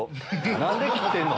何で切ってんの？